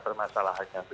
tidak ada masalah